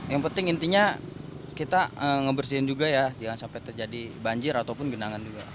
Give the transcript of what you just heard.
yang penting intinya kita ngebersihin juga ya jangan sampai terjadi banjir ataupun genangan juga